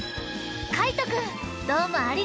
かいとくんどうもありがとう！